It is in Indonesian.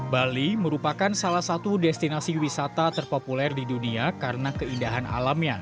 bali merupakan salah satu destinasi wisata terpopuler di dunia karena keindahan alamnya